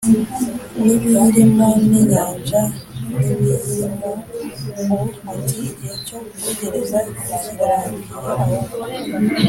N ibiyirimo n inyanja n ibiyirimo u ati igihe cyo gutegereza kirarangiye ahubwo